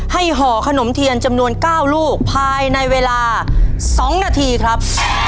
ห่อขนมเทียนจำนวน๙ลูกภายในเวลา๒นาทีครับ